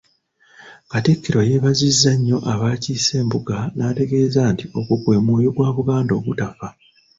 Katikkiro yeebazizza nnyo abaakiise embuga n’ategeeza nti ogwo gwe mwoyo gwa Buganda ogutafa.